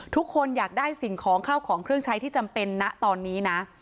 ทุกคนอยากได้สิ่งของข้าวของเครื่องใช้ที่จำเป็นนะตอนนี้นะ